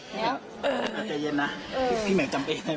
เหนียวใจเย็นนะพี่แหมกจำได้ไหม